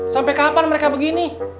sampai kapan mereka begini